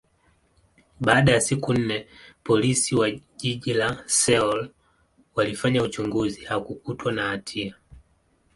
baada ya siku nne, Polisi wa jiji la Seoul walifanya uchunguzi, hakukutwa na hatia.